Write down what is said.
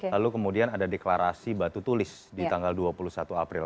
lalu kemudian ada deklarasi batu tulis di tanggal dua puluh satu april